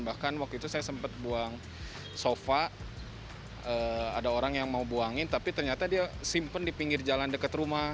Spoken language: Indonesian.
bahkan waktu itu saya sempat buang sofa ada orang yang mau buangin tapi ternyata dia simpen di pinggir jalan dekat rumah